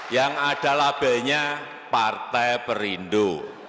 yang ada labelnya partai perindo